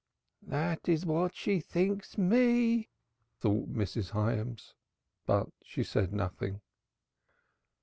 "That is what she thinks me," thought Mrs. Hyams. But she said nothing.